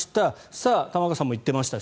さあ、玉川さんも言ってました。